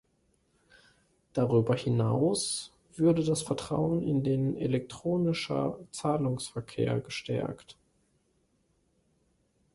Darüber hinaus würde das Vertrauen in den elektronischer Zahlungsverkehr gestärkt.